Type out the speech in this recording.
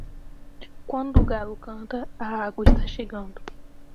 Quando o galo canta, a água está chegando.